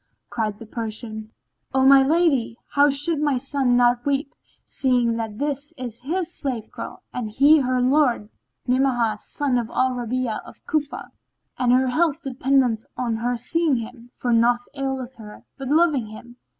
Cried the Persian, "O my lady, how should my son not weep, seeing that this is his slave girl and he her lord, Ni'amah son of al Rabi'a of Cufa; and her health dependeth on her seeing him, for naught aileth her but loving him.